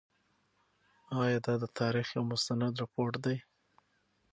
آیا دا د تاریخ یو مستند رپوټ دی؟